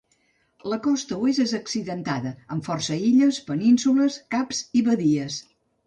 La costa oest és accidentada, amb força illes, penínsules, caps i badies.